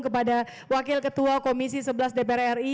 kepada wakil ketua komisi sebelas dpr ri